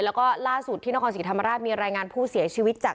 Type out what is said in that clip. และล่าสุดที่นครสิทธิธรรมราชัยมีรายงานผู้เสียชีวิตจาก